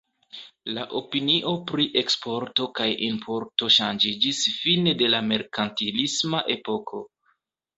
La opinio pri eksporto kaj importo ŝanĝiĝis fine de la merkantilisma epoko.